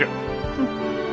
うん。